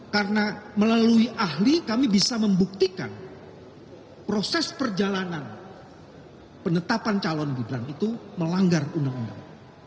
karena melalui ahli kami bisa membuktikan proses perjalanan penetapan calon biblang itu melanggar undang undang